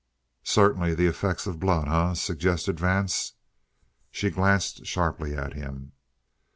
"Certainly the effect of blood, eh?" suggested Vance. She glanced sharply at him.